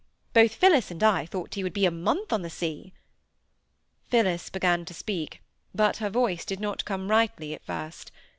Both Phillis and I thought he would be a month on the seas." Phillis began to speak, but her voice did not come rightly at first.